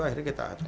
akhirnya kita atur